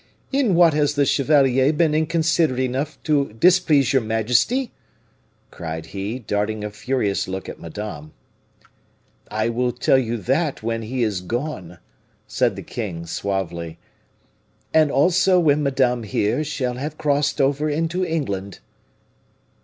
"In what has the chevalier been inconsiderate enough to displease your majesty?" cried he, darting a furious look at Madame. "I will tell you that when he is gone," said the king, suavely. "And also when Madame, here, shall have crossed over into England."